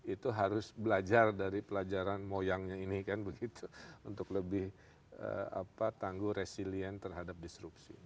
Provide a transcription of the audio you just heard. itu harus belajar dari pelajaran moyangnya ini kan begitu untuk lebih tangguh resilient terhadap disrupsi